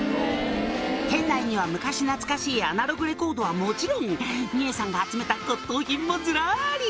「店内には昔懐かしいアナログレコードはもちろん美惠さんが集めた骨董品もずらり！」